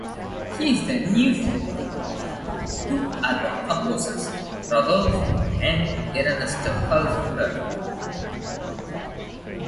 He is the nephew of two other composers, Rodolfo and Ernesto Halffter.